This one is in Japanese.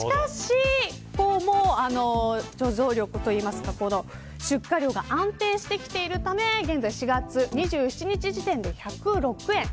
しかし、貯蔵力というか出荷量が安定してきているため現在４月２７日時点で１０６円。